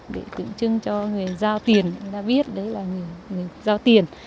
để tự chưng cho người dao tiền người dao tiền